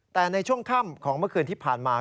แต่ในช่วงค่ำของเมื่อคืนที่ผ่านมา